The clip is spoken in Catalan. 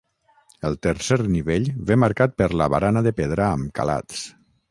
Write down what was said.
El tercer nivell ve marcat per la barana de pedra amb calats.